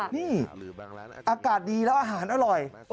นี่อากาศดีแล้วอาหารอร่อย